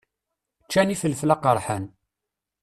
Ččan ifelfel aqeṛḥan.